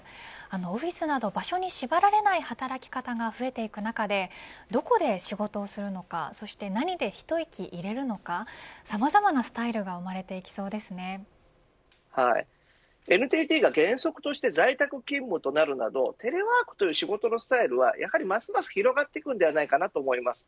オフィスなど場所に縛られない働き方が増えていく中でどこで仕事をするのか何で一息入れるのかさまざまなスタイルがＮＴＴが原則として在宅勤務となるなどテレワークという仕事のスタイルはやはり、ますます広がっていくのだと思います。